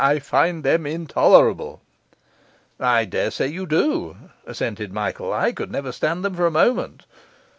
I find them intolerable.' 'I daresay you do,' assented Michael, 'I never could stand them for a moment.